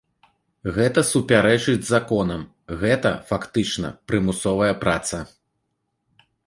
Гэта супярэчыць законам, гэта, фактычна, прымусовая праца.